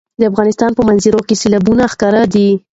د افغانستان په منظره کې سیلابونه ښکاره دي.